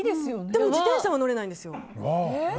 でも自転車は乗れないんですよ。